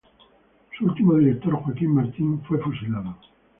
Su último director, Joaquín Martín, fue fusilado.